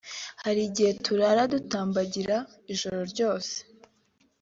hari igihe turara dutambagira ijoro ryose